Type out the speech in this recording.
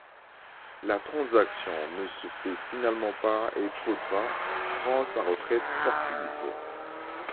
La transaction ne se fait finalement pas et Potvin prend sa retraite sportive.